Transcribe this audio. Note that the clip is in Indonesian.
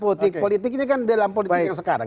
politik politik ini kan dalam politik yang sekarang